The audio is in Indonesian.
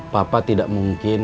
papa tidak mungkin